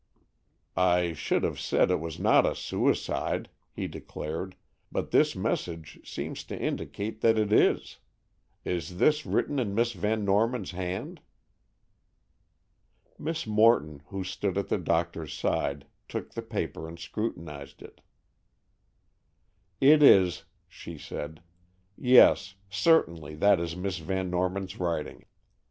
"I should have said it was not a suicide," he declared, "but this message seems to indicate that it is. Is this written in Miss Van Norman's hand?" Miss Morton, who stood at the doctor's side, took the paper and scrutinized it. "It is," she said. "Yes, certainly that is Miss Van Norman's writing.